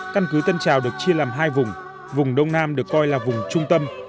căn cứ tân trào được chia làm hai vùng vùng đông nam được coi là vùng trung tâm